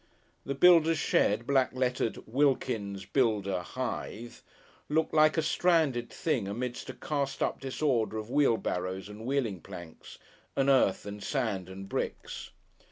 The builder's shed, black lettered WILKINS, BUILDER, HYTHE, looked like a stranded thing amidst a cast up disorder of wheelbarrows and wheeling planks, and earth and sand and bricks.